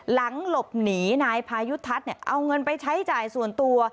หลังหลบหนีนายพายุทัศน์เอาเงินไปใช้จ่ายส่วนตัว